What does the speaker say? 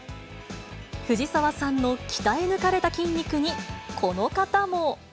藤澤さんの鍛え抜かれた筋肉に、この方も。